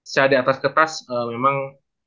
secara di atas kertas memang